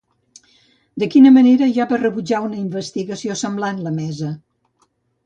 De quina manera ja va rebutjar una investigació semblant la mesa?